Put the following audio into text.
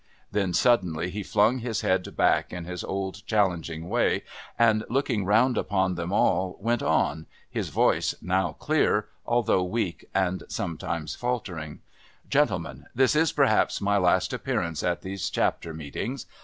Then suddenly he flung his head back in his old challenging way and, looking round upon them all, went on, his voice now clear, although weak and sometimes faltering: "Gentlemen, this is perhaps my last appearance at these Chapter Meetings.